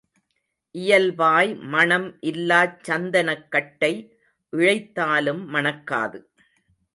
இயல்பாய் மணம் இல்லாச் சந்தனக் கட்டை இழைத்தாலும் மணக்காது.